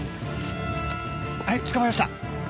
はい捕まえました。